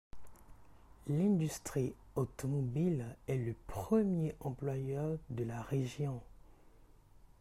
L'industrie automobile est le premier employeur de la région.